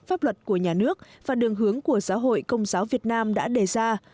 pháp luật của nhà nước và đường hướng của giáo hội công giáo việt nam đã đề ra